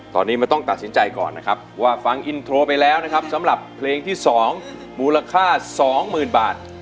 ตอนนี้มันต้องตัดสินใจก่อนนะครับว่าฟังอินโทรไปแล้วนะครับสำหรับเพลงที่๒มูลค่า๒๐๐๐บาท